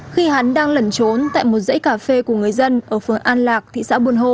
khi hắn đang lẩn trốn tại một dãy cà phê của người dân ở phường an lạc thị xã buôn hồ